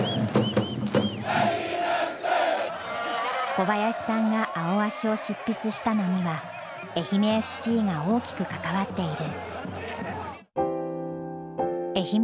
小林さんが「アオアシ」を執筆したのには愛媛ＦＣが大きく関わっている。